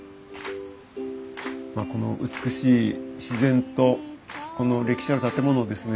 まあこの美しい自然とこの歴史ある建物をですね